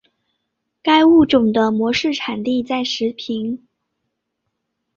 该物种的模式产地在石屏。